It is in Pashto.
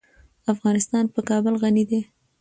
افغانستان په کابل غني دی.